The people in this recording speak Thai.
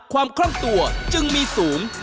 ความคล่องตัวจึงมีสูง